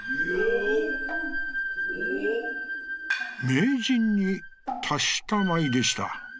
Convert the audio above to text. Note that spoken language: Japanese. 「名人に達した舞でした。